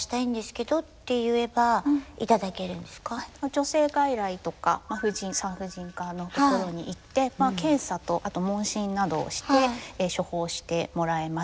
女性外来とか婦人産婦人科のところに行って検査とあと問診などをして処方してもらえます。